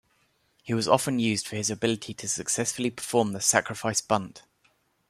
He was often used for his ability to successfully perform the sacrifice bunt.